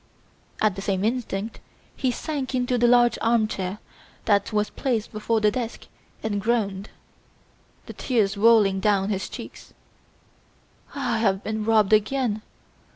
At the same instant he sank into the large armchair that was placed before the desk and groaned, the tears rolling down his cheeks, "I have been robbed again!